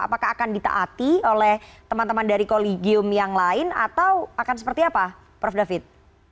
apakah akan ditaati oleh teman teman dari kolegium yang lain atau akan seperti apa prof david